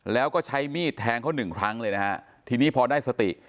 แล้วก็ใช้มีดแทงเขาหนึ่งครั้งเลยนะฮะทีนี้พอได้สติ